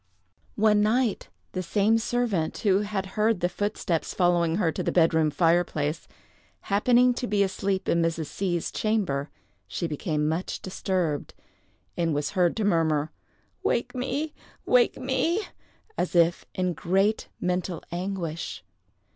One night, the same servant who had heard the footsteps following her to the bed room fireplace, happening to be asleep in Mrs. C——'s chamber, she became much disturbed, and was heard to murmur, "Wake me! wake me!" as if in great mental anguish.